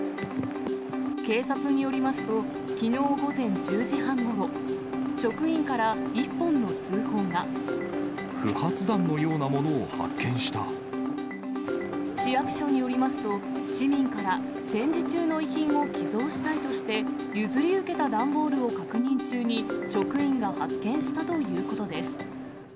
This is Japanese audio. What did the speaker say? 警察によりますと、きのう午前１０時半ごろ、不発弾のようなものを発見し市役所によりますと、市民から、戦時中の遺品を寄贈したいとして、譲り受けた段ボールを確認中に、職員が発見したということです。